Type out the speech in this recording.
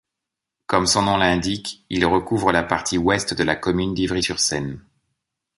Comme son nom l'indique, il recouvre la partie Ouest de la commune d'Ivry-sur-Seine.